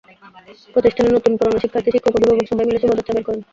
প্রতিষ্ঠানের নতুন পুরোনো শিক্ষার্থী, শিক্ষক অভিভাবক সবাই মিলে শোভাযাত্রা বের করেন।